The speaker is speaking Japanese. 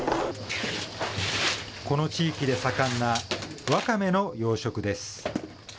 この地域で盛んなワカメの養殖です。